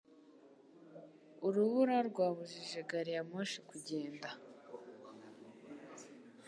Urubura rwabujije gari ya moshi kugenda